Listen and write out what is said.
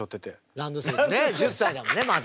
ランドセルね１０歳だもんねまだ。